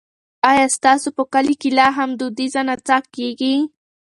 ایا ستاسو په کلي کې لا هم دودیزه نڅا کیږي؟